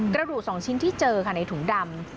กระดูกสองชิ้นที่เจอในถุงดำ